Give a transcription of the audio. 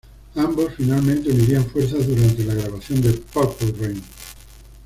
Ambos finalmente unirían fuerzas durante las grabaciones de "Purple Rain".